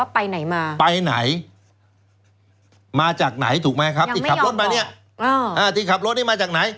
ไปไหนมาจากไหน